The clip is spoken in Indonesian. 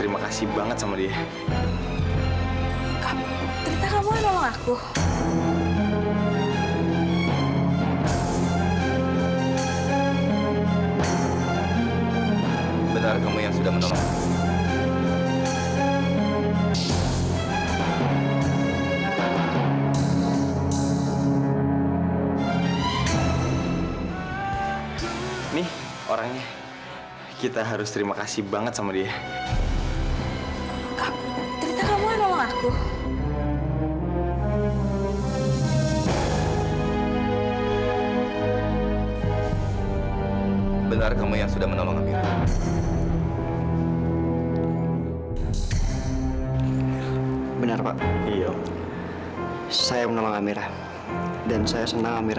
pasti pintar sekali